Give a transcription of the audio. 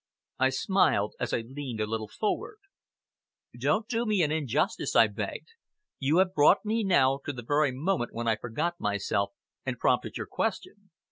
I smiled as I leaned a little forward. "Don't do me an injustice," I begged. "You have brought me now to the very moment when I forgot myself, and prompted your question.